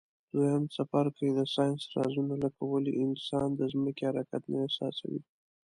دویم څپرکی د ساینس رازونه لکه ولي انسان د ځمکي حرکت نه احساسوي.